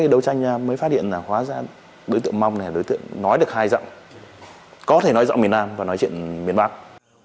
các hành vi phạm tội của mong và các đối tượng được cơ quan điều tra thần sát minh làm rõ